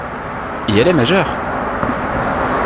Et elle est majeure !